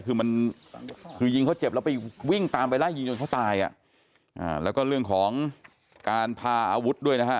คือมันคือยิงเขาเจ็บแล้วไปวิ่งตามไปไล่ยิงจนเขาตายอ่ะอ่าแล้วก็เรื่องของการพาอาวุธด้วยนะฮะ